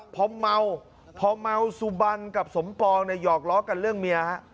พอเมาพอเมาสุบันกับสมปองเนี่ยหอกล้อกันเรื่องเมียฮะ